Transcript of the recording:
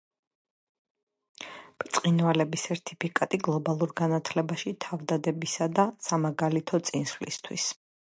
ბრწყინვალების სერთიფიკატი გლობალურ განათლებაში თავდადებისა და სამაგალითო წვლილისთვის.